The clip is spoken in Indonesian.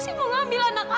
sekarang juga kamu pergi